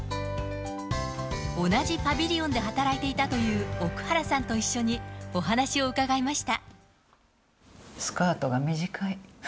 同じパビリオンで働いていたという奥原さんと一緒に、お話を伺いました。